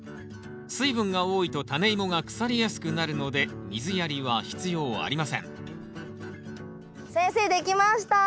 水分が多いとタネイモが腐りやすくなるので水やりは必要ありません先生出来ました！